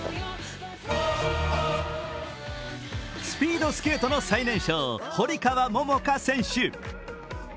スピードスケートの最年少堀川桃香選手。